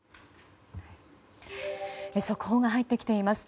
速報が入ってきています。